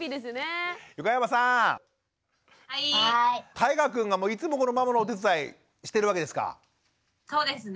たいがくんがいつもママのお手伝いしてるわけですか？